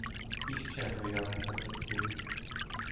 Іще гуляти захотів